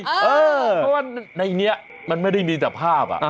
เพราะว่าในนี้มันไม่ได้มีแต่ภาพ